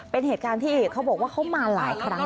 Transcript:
เป็นเหตุการณ์ที่เขาบอกว่าเขามาหลายครั้ง